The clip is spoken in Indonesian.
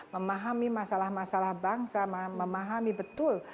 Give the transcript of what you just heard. memahami masalah masalah bangsa memahami betul